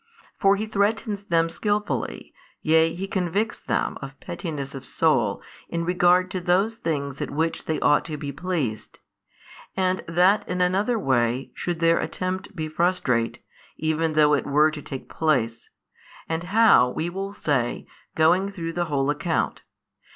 For He threatens them skilfully, yea He convicts them of pettiness of soul in regard to those things at which they ought to be pleased: and that in another way should their attempt be frustrate, even though it were to take place', and how, we will say, going through the whole account.